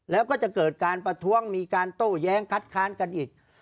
แล้วก็จะเกิดการประท้วงมีการโต้แย้งคัดค้านกันอีก